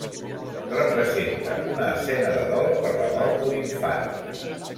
Representa una escena de dol per la mort d'un infant.